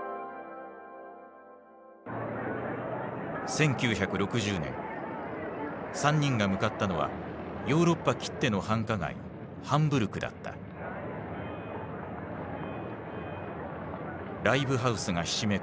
１９６０年３人が向かったのはヨーロッパきっての繁華街ライブハウスがひしめく